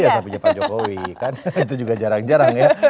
ya sapinya pak jokowi kan itu juga jarang jarang ya